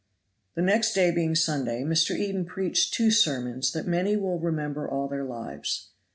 The next day being Sunday, Mr. Eden preached two sermons that many will remember all their lives.